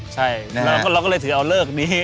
ใช่เราก็เลยถือเอาเลิกนี้